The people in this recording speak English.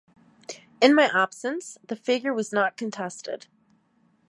In my absence, the figure was not contested.